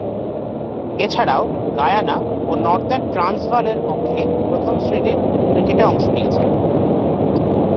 এছাড়াও গায়ানা ও নর্দার্ন ট্রান্সভালের পক্ষে প্রথম-শ্রেণীর ক্রিকেটে অংশ নিয়েছেন।